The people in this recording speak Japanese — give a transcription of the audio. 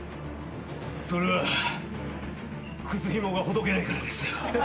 それは靴ひもがほどけないからですよ。